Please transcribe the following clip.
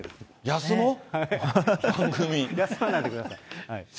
休まないでください。